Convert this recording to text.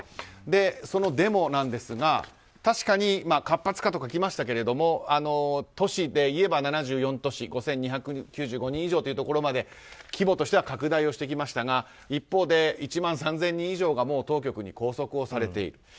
デモなんですが活発化と書きましたが都市でいえば７４都市５２９５人以上というところまで規模としては拡大してきましたが一方で１万３０００人以上がもう当局に拘束をされている。